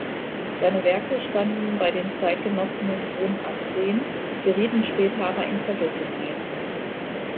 Seine Werke standen bei den Zeitgenossen in hohem Ansehen, gerieten später aber in Vergessenheit.